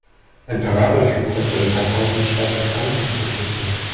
Ein Parabelflug kostet ein paar tausend Schweizer Franken pro Person.